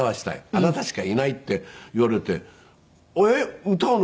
「あなたしかいない」って言われて「えっ歌うの？」。